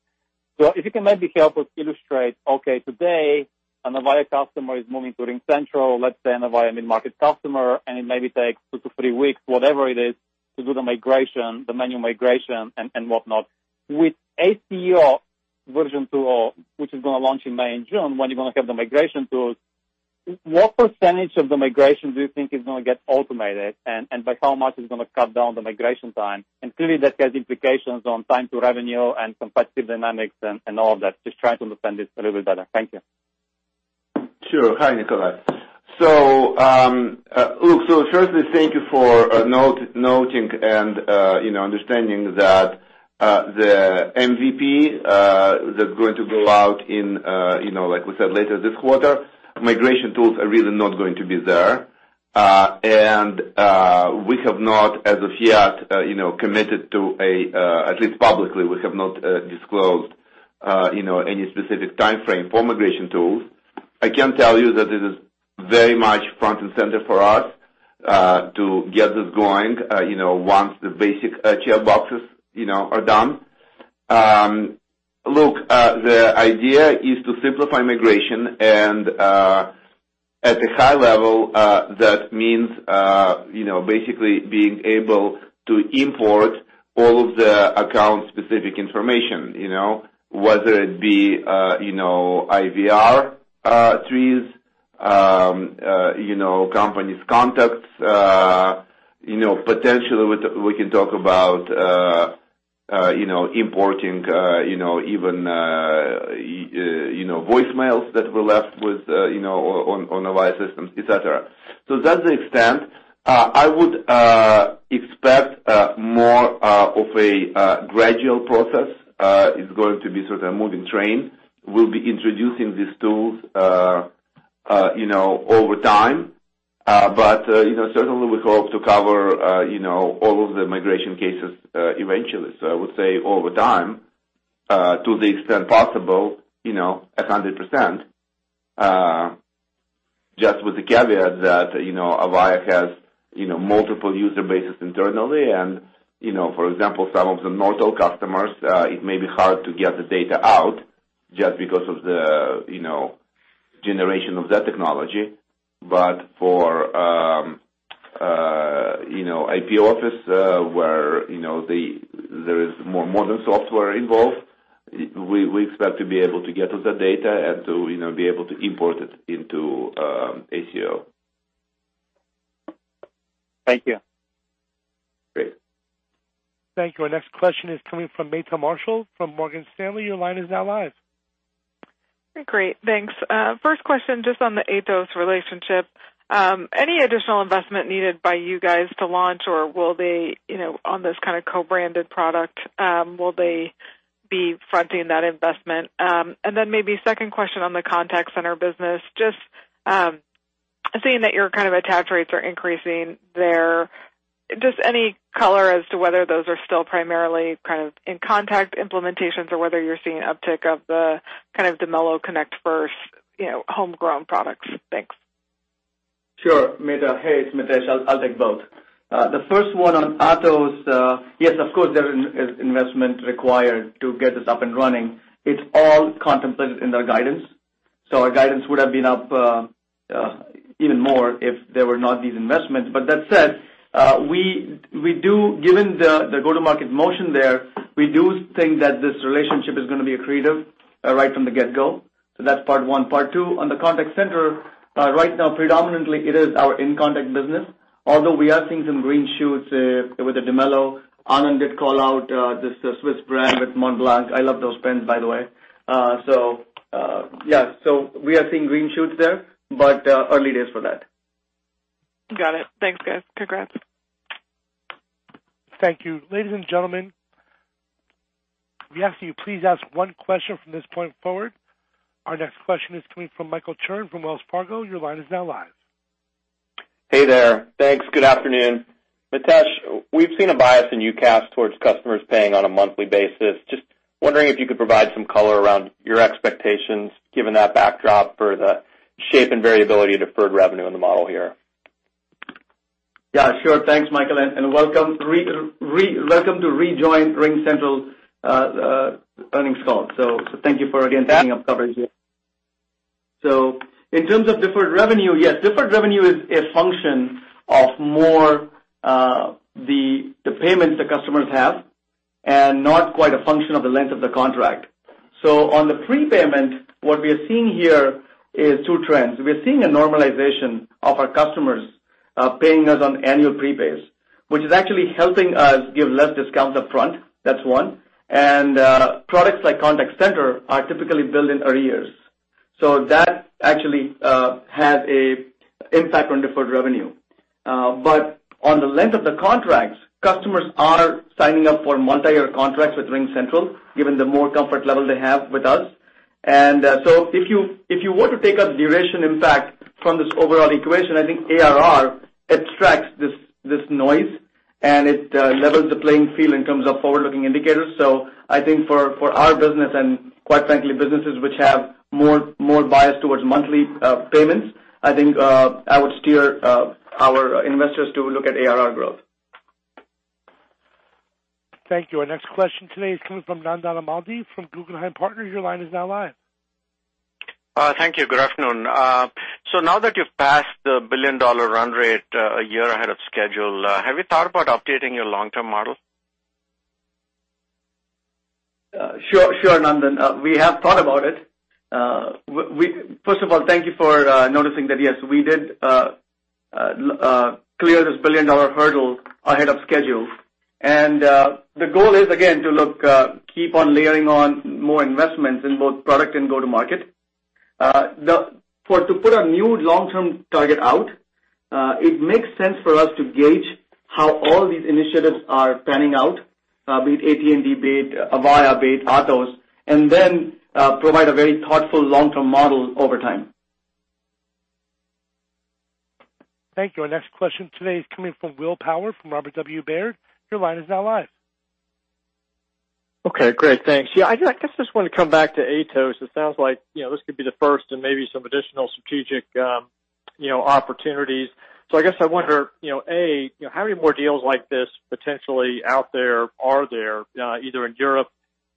If you can maybe help us illustrate, okay, today an Avaya customer is moving to RingCentral, let's say an Avaya mid-market customer, and it maybe takes two to three weeks, whatever it is, to do the manual migration and whatnot. With ACO Version 2.0, which is going to launch in May and June, when you're going to have the migration tools, what percentage of the migration do you think is going to get automated, and by how much is it going to cut down the migration time? Clearly, that has implications on time to revenue and competitive dynamics and all of that. Just trying to understand this a little bit better. Thank you. Sure. Hi, Nikolay. Firstly, thank you for noting and understanding that the MVP that's going to go out in, like we said, later this quarter, migration tools are really not going to be there. We have not, as of yet, committed to a, at least publicly, we have not disclosed any specific timeframe for migration tools. I can tell you that it is very much front and center for us to get this going once the basic checkboxes are done. Look, the idea is to simplify migration, and at a high level, that means basically being able to import all of the account-specific information, whether it be IVR trees, company's contacts. Potentially, we can talk about importing even voicemails that were left on Avaya systems, et cetera. To that extent, I would expect more of a gradual process. It's going to be sort of a moving train. We'll be introducing these tools over time. Certainly, we hope to cover all of the migration cases eventually. I would say over time, to the extent possible, 100%, just with the caveat that Avaya has multiple user bases internally. For example, some of the Nortel customers, it may be hard to get the data out just because of the generation of that technology. For IP Office, where there is more modern software involved, we expect to be able to get to the data and to be able to import it into ACO. Thank you. Great. Thank you. Our next question is coming from Meta Marshall from Morgan Stanley. Your line is now live. Great. Thanks. First question just on the Atos relationship. Any additional investment needed by you guys to launch or will they, on this kind of co-branded product, will they be fronting that investment? Maybe second question on the contact center business, just seeing that your kind of attach rates are increasing there, just any color as to whether those are still primarily kind of inContact implementations or whether you're seeing uptick of the kind of Dimelo Connect first, homegrown products. Thanks. Sure, Meta. Hey, it's Mitesh. I'll take both. The first one on Atos, yes, of course, there is investment required to get this up and running. It's all contemplated in our guidance. Our guidance would have been up even more if there were not these investments. That said, given the go-to-market motion there, we do think that this relationship is going to be accretive right from the get-go. That's part one. Part two, on the Contact Center, right now predominantly it is our inContact business, although we are seeing some green shoots with the Dimelo. Anand did call out this Swiss brand with Montblanc. I love those pens, by the way. Yeah. We are seeing green shoots there, early days for that. Got it. Thanks, guys. Congrats. Thank you. Ladies and gentlemen, we ask that you please ask one question from this point forward. Our next question is coming from Michael Turrin from Wells Fargo. Your line is now live. Hey there. Thanks. Good afternoon. Mitesh, we've seen a bias in UCaaS towards customers paying on a monthly basis. Just wondering if you could provide some color around your expectations, given that backdrop for the shape and variability of deferred revenue in the model here. Yeah, sure. Thanks, Michael, welcome to rejoin RingCentral earnings call. Thank you for again taking up coverage here. In terms of deferred revenue, yes, deferred revenue is a function of more the payments the customers have, and not quite a function of the length of the contract. On the prepayment, what we are seeing here is two trends. We are seeing a normalization of our customers paying us on annual prepays, which is actually helping us give less discounts up front. That's one. Products like Contact Center are typically billed in arrears. That actually has a impact on deferred revenue. On the length of the contracts, customers are signing up for multi-year contracts with RingCentral, given the more comfort level they have with us. If you were to take out duration impact from this overall equation, I think ARR extracts this noise and it levels the playing field in terms of forward-looking indicators. I think for our business and quite frankly, businesses which have more bias towards monthly payments, I think I would steer our investors to look at ARR growth. Thank you. Our next question today is coming from Nandan Amladi from Guggenheim Partners. Your line is now live. Thank you. Good afternoon. Now that you've passed the billion-dollar run rate a year ahead of schedule, have you thought about updating your long-term model? Sure, Nandan. We have thought about it. First of all, thank you for noticing that, yes, we did clear this billion-dollar hurdle ahead of schedule. The goal is, again, to keep on layering on more investments in both product and go-to-market. To put a new long-term target out, it makes sense for us to gauge how all these initiatives are panning out be it AT&T, be it Avaya, be it Atos, and then provide a very thoughtful long-term model over time. Thank you. Our next question today is coming from Will Power from Robert W. Baird. Your line is now live. Okay, great. Thanks. I guess just want to come back to Atos. It sounds like this could be the first in maybe some additional strategic opportunities. I guess I wonder, A, how many more deals like this potentially out there are there, either in Europe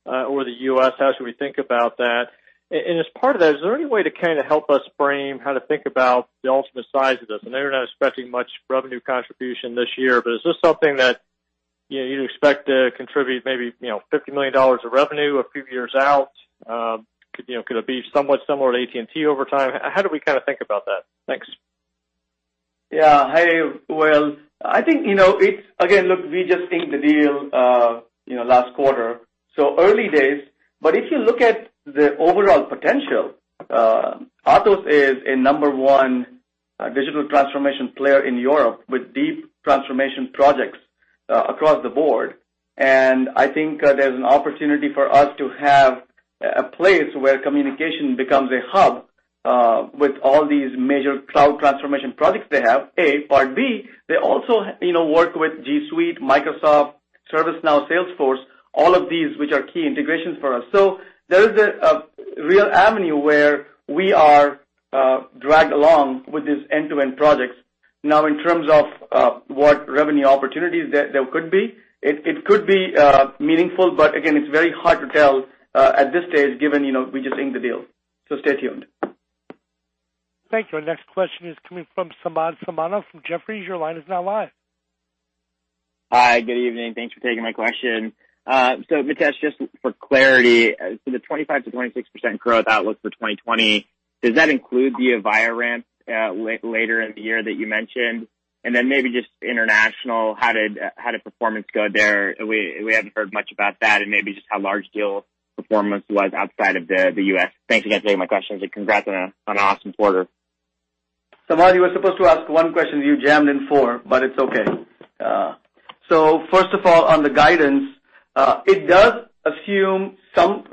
or the U.S.? How should we think about that? As part of that, is there any way to kind of help us frame how to think about the ultimate size of this? I know you're not expecting much revenue contribution this year, is this something that you'd expect to contribute maybe $50 million of revenue a few years out? Could it be somewhat similar to AT&T over time? How do we kind of think about that? Thanks. Yeah. Hey, Will. I think, again, look, we just inked the deal last quarter, so early days. If you look at the overall potential, Atos is a number one digital transformation player in Europe with deep transformation projects across the board. I think there's an opportunity for us to have a place where communication becomes a hub with all these major cloud transformation products they have, A. Part B, they also work with G Suite, Microsoft, ServiceNow, Salesforce, all of these which are key integrations for us. There is a real avenue where we are dragged along with these end-to-end projects. In terms of what revenue opportunities there could be, it could be meaningful, but again, it's very hard to tell at this stage given we just inked the deal. Stay tuned. Thank you. Our next question is coming from Samad Samana from Jefferies. Your line is now live. Hi, good evening. Thanks for taking my question. Mitesh, just for clarity, for the 25%-26% growth outlook for 2020, does that include the Avaya ramp later in the year that you mentioned? Maybe just international, how did performance go there? We haven't heard much about that. Maybe just how large deal performance was outside of the U.S. Thanks again for taking my questions. Congrats on an awesome quarter. Samad, you were supposed to ask one question. You jammed in four, but it's okay. First of all, on the guidance, it does assume some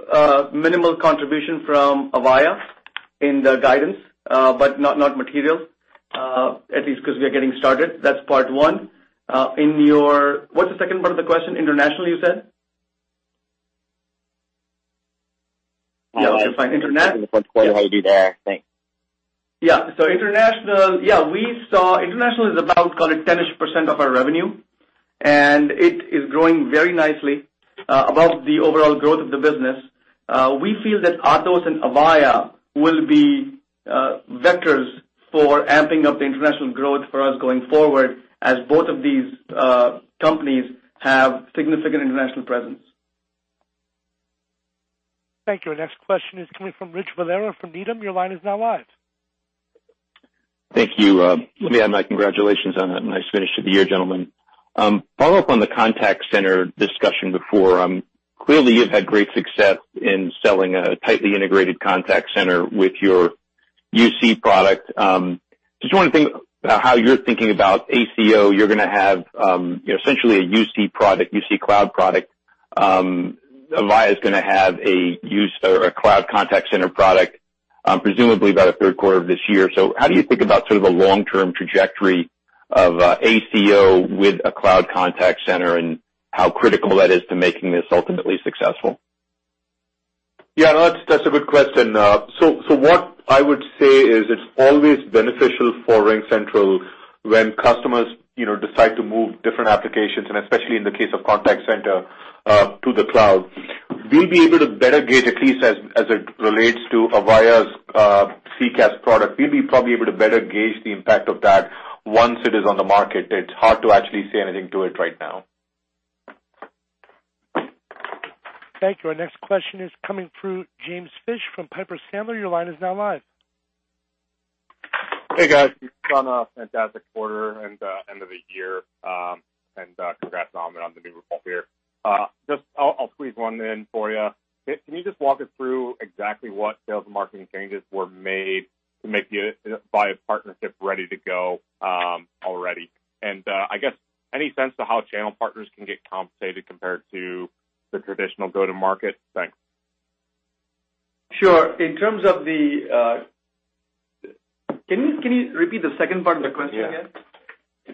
minimal contribution from Avaya in the guidance, but not material, at least because we are getting started. That's part one. What's the second part of the question? International, you said? Yeah. Let's find international. In the first quarter, how you did there? Thanks. International is about, call it, 10-ish percent of our revenue, and it is growing very nicely above the overall growth of the business. We feel that Atos and Avaya will be vectors for amping up the international growth for us going forward, as both of these companies have significant international presence. Thank you. Our next question is coming from Rich Valera from Needham. Your line is now live. Thank you. Let me add my congratulations on that nice finish to the year, gentlemen. Follow up on the Contact Center discussion before. Clearly, you've had great success in selling a tightly integrated contact center with your UC product. Just wondering how you're thinking about ACO. You're going to have essentially a UC product, UC cloud product. Avaya is going to have a cloud contact center product, presumably by the third quarter of this year. How do you think about sort of a long-term trajectory of ACO with a cloud contact center, and how critical that is to making this ultimately successful? Yeah. That's a good question. What I would say is it's always beneficial for RingCentral when customers decide to move different applications, and especially in the case of Contact Center, to the cloud. We'll be able to better gauge, at least as it relates to Avaya's CCaaS product. We'll be probably able to better gauge the impact of that once it is on the market. It's hard to actually say anything to it right now. Thank you. Our next question is coming through James Fish from Piper Sandler. Your line is now live. Hey, guys. It's been a fantastic quarter and end of the year. Congrats on the new report here. I'll squeeze one in for you. Can you just walk us through exactly what sales and marketing changes were made to make the Avaya partnership ready to go already? I guess any sense to how channel partners can get compensated compared to the traditional go-to market? Thanks. Sure. Can you repeat the second part of the question again? Yeah.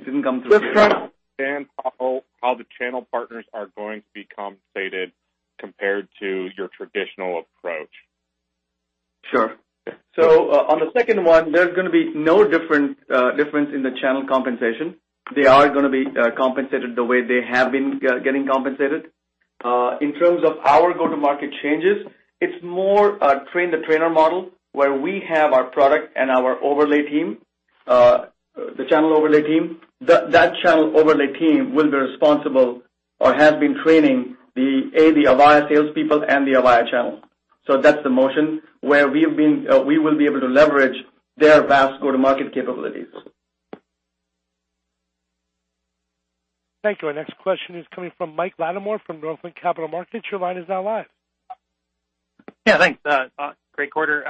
It didn't come through clearly. Let's try- Understand how the channel partners are going to be compensated compared to your traditional approach. Sure. On the second one, there's going to be no difference in the channel compensation. They are going to be compensated the way they have been getting compensated. In terms of our go-to-market changes, it's more a train-the-trainer model, where we have our product and our overlay team, the channel overlay team. That channel overlay team will be responsible or has been training the Avaya salespeople and the Avaya channel. That's the motion where we will be able to leverage their vast go-to-market capabilities. Thank you. Our next question is coming from Mike Latimore from Northland Capital Markets. Your line is now live. Yeah, thanks. Great quarter.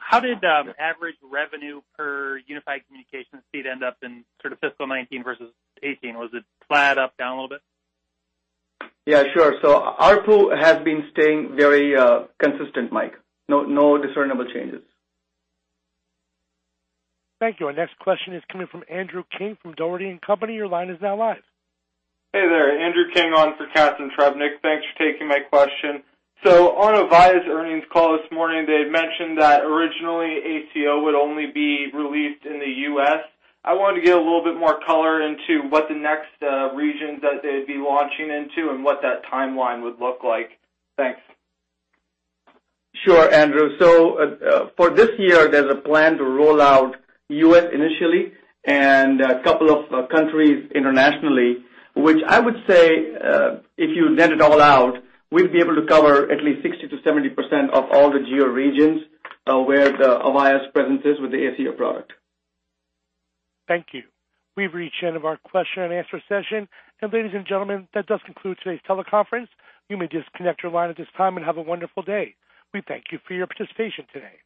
How did average revenue per unified communication seat end up in fiscal 2019 versus 2018? Was it flat, up, down a little bit? Yeah, sure. ARPU has been staying very consistent, Mike. No discernible changes. Thank you. Our next question is coming from Andrew King from Dougherty & Company. Your line is now live. Hey there. Andrew King on for Catharine Trebnick. Thanks for taking my question. On Avaya's earnings call this morning, they had mentioned that originally ACO would only be released in the U.S. I wanted to get a little bit more color into what the next regions that they'd be launching into and what that timeline would look like. Thanks. Sure, Andrew. For this year, there's a plan to roll out U.S. initially and a couple of countries internationally, which I would say, if you lend it all out, we'd be able to cover at least 60%-70% of all the geo regions where Avaya's presence is with the ACO product. Thank you. We've reached the end of our question and answer session. Ladies and gentlemen, that does conclude today's teleconference. You may disconnect your line at this time and have a wonderful day. We thank you for your participation today.